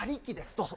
どうぞ。